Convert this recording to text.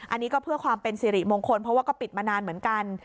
อันนี้ก็เพื่อความเป็นสิริมงคลเพราะว่าก็ปิดมานานเหมือนกัน